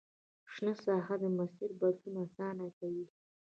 شنه ساحه د مسیر بدلول اسانه کوي